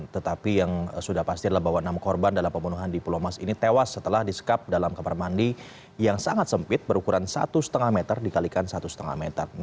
tetapi yang sudah pasti adalah bahwa enam korban dalam pembunuhan di pulau mas ini tewas setelah disekap dalam kamar mandi yang sangat sempit berukuran satu lima meter dikalikan satu lima meter